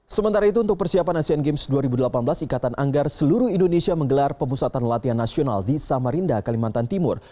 sementara itu untuk persiapan asian games dua ribu delapan belas ikatan anggar seluruh indonesia menggelar pemusatan latihan nasional di samarinda kalimantan timur